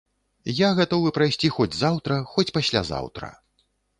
Я гатовы прайсці хоць заўтра, хоць паслязаўтра.